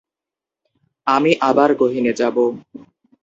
আমি আবার গহীনে যাব।